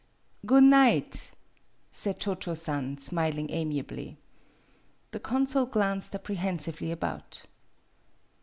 " Goon night, "said Cho Cho San, smiling amiably. The consul glanced apprehensively about.